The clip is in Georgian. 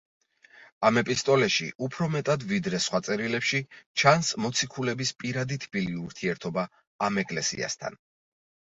ამ ეპისტოლეში უფრო მეტად, ვიდრე სხვა წერილებში, ჩანს მოციქულების პირადი თბილი ურთიერთობა ამ ეკლესიასთან.